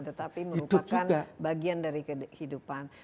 tetapi merupakan bagian dari kehidupan